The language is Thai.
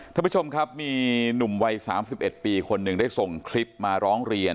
ท่านผู้ชมครับมีหนุ่มวัย๓๑ปีคนหนึ่งได้ส่งคลิปมาร้องเรียน